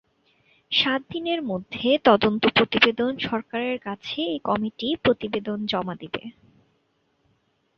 সাত দিনের মধ্যে তদন্ত প্রতিবেদন সরকারের কাছে এ কমিটি প্রতিবেদন জমা দিবে।